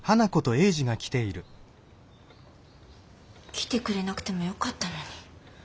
来てくれなくてもよかったのに。